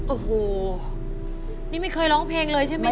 โอ้โหนี่ไม่เคยร้องเพลงเลยใช่ไหม